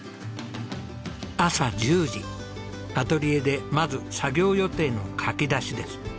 朝１０時アトリエでまず作業予定の書き出しです。